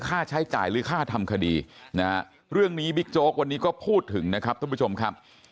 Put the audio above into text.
ค่าใช้จ่ายหรือค่าทำคดีนะฮะเรื่องนี้บิ๊กโจ๊กวันนี้ก็พูดถึงนะครับท่านผู้ชมครับ